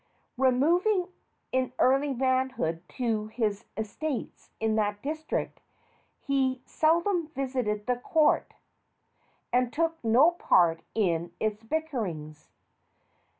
Removing in early manhood to his estates in that district, he seldom visited the court and took no part in its bickerings.